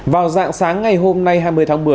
vào dạng sáng ngày hôm nay hai mươi tháng một mươi